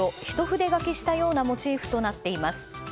筆書きしたようなモチーフとなっています。